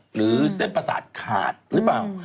หรือเส้นประสาทขาดหรือเปล่า